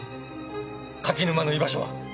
柿沼の居場所は？